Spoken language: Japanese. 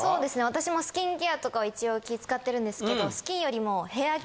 私もスキンケアとかは一応気使ってるんですけどスキンよりも。